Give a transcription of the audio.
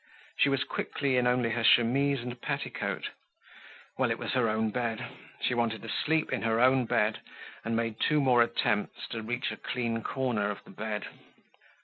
She was quickly in only her chemise and petticoat. Well, it was her own bed. She wanted to sleep in her own bed and made two more attempts to reach a clean corner of the bed.